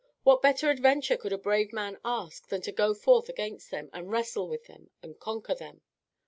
What better adventure could a brave man ask than to go forth against them, and wrestle with them, and conquer them?